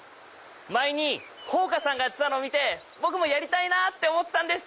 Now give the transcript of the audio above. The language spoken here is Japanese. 前にほうかさんがやってたのを見て僕もやりたいって思ってたんです。